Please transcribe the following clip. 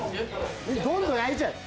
どんどん焼いちゃえ。